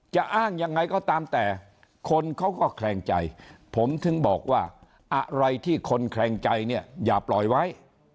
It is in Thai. จะอ้างยังไงก็ตามแต่คนเขาก็แคลงใจผมถึงบอกว่าอะไรที่คนแคลงใจเนี่ยอย่าปล่อยไว้